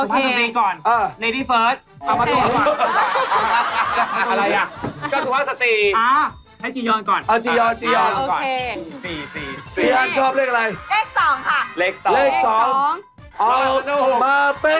สุภาษาสตรีก่อนอ่ะ